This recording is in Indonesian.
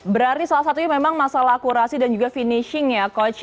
berarti salah satunya memang masalah kurasi dan juga finishing ya coach